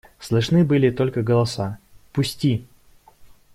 Слышны были только голоса: – Пусти!